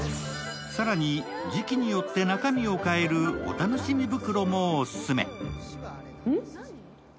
更に、時期によって中身を変えるお楽しみ袋もオススメ。